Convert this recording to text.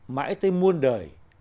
mãi tới muôn đời